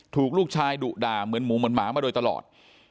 ถูกลูกชายดุด่าเหมือนหมูเหมือนหมามาโดยตลอด